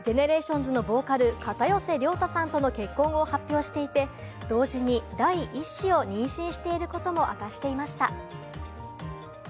今年の元日にＧＥＮＥＲＡＴＩＯＮＳのボーカル・片寄涼太さんとの結婚を発表していて、同時に第１子を妊娠していることも明かしていました。